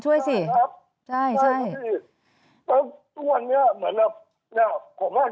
มีธาระที่อยู่ข้างหน้ามันพังไปหมดเลย